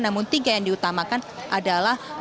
namun tiga yang diutamakan adalah